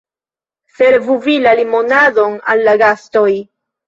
Servu vi la limonadon al la gastoj.